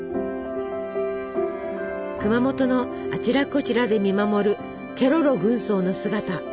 熊本のあちらこちらで見守るケロロ軍曹の姿。